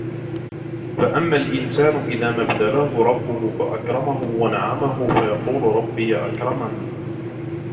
فأما الإنسان إذا ما ابتلاه ربه فأكرمه ونعمه فيقول ربي أكرمن